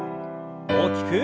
大きく。